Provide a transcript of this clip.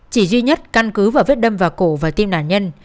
chỉ duy nhất căn cứ vào vết đâm vào cổ và tim nạn nhân